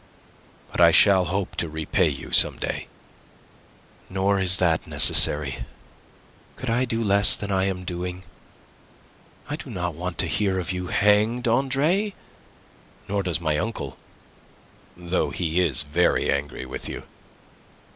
"But I shall hope to repay you some day." "Nor is that necessary. Could I do less than I am doing? I do not want to hear of you hanged, Andre; nor does my uncle, though he is very angry with you."